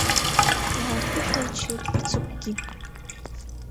Иааԥышәырччеит ацыгәгьы.